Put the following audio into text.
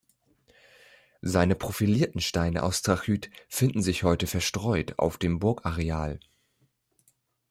Seine profilierten Steine aus Trachyt finden sich heute verstreut auf dem Burgareal.